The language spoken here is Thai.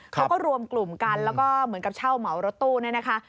เขาก็รวมกลุ่มกันแล้วก็เหมือนกับเช่าเหมารถตู้เนี่ยนะคะ